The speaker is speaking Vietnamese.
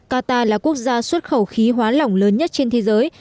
qatar là quốc gia xuất khẩu khí hóa lỏng lớn nhất trên thế giới